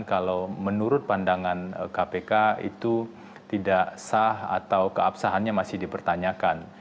kalau menurut pandangan kpk itu tidak sah atau keabsahannya masih dipertanyakan